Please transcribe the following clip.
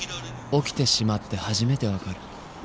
起きてしまって初めてわかる